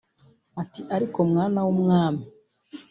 Ati “Ariko mwana w’umwami